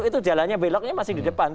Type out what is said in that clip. itu jalannya beloknya masih di depan